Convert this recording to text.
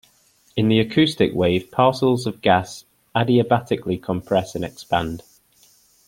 In the acoustic wave, parcels of gas adiabatically compress and expand.